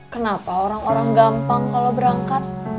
kenapa orang orang gampang kalau berangkat